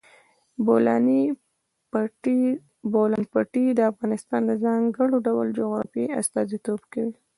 د بولان پټي د افغانستان د ځانګړي ډول جغرافیه استازیتوب کوي.